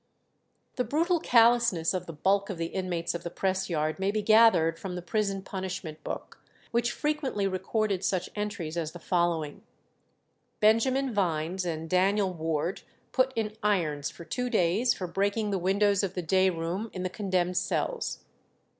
The brutal callousness of the bulk of the inmates of the press yard may be gathered from the prison punishment book, which frequently recorded such entries as the following: "Benjamin Vines and Daniel Ward put in irons for two days for breaking the windows of the day room in the condemned cells."